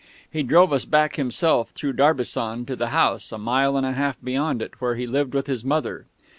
He drove us back himself, through Darbisson, to the house, a mile and a half beyond it, where he lived with his mother.